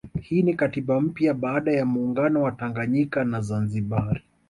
Hii ni katiba mpya baada ya muungano wa Tanganyika na Zanzibari